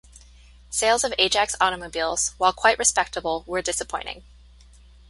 Sales of Ajax automobiles, while quite respectable, were disappointing.